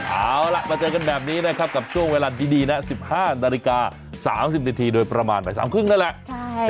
เอาล่ะมาเจอกันแบบนี้นะครับกับช่วงเวลาดีนะ๑๕นาฬิกา๓๐นาทีโดยประมาณบ่ายสามครึ่งนั่นแหละ